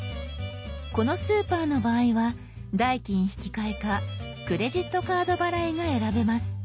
このスーパーの場合は代金引換かクレジットカード払いが選べます。